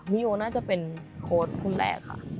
มิโยน่าจะเป็นโค้ดคุณแหลกค่ะ